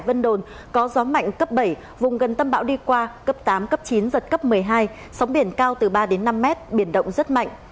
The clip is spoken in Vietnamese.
vân đồn có gió mạnh cấp bảy vùng gần tâm bão đi qua cấp tám cấp chín giật cấp một mươi hai sóng biển cao từ ba đến năm mét biển động rất mạnh